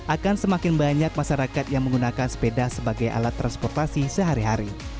akan semakin banyak masyarakat yang menggunakan sepeda sebagai alat transportasi sehari hari